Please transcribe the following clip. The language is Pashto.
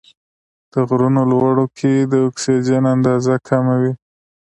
د غرونو لوړو کې د اکسیجن اندازه کمه وي.